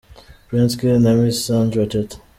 Prince Kid na Miss Sandra Teta.